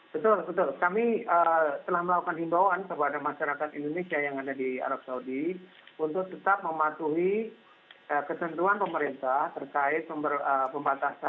betul betul kami telah melakukan imbauan kepada masyarakat indonesia yang ada di arab saudi untuk tetap mematuhi ketentuan pemerintah terkait pembatasan